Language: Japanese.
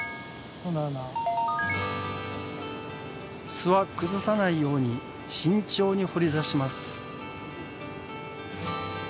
巣は崩さないように慎重に掘り出します。